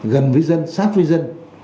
gần với dân sát với dân